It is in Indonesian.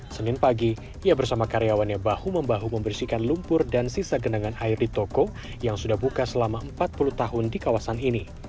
senin pagi ia bersama karyawannya bahu membahu membersihkan lumpur dan sisa genangan air di toko yang sudah buka selama empat puluh tahun di kawasan ini